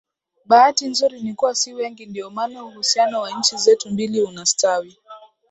Bahati nzuri ni kuwa si wengi ndio maana uhusiano wa nchi zetu mbili unastawi